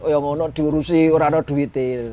yang ngono diurusi orang itu duitnya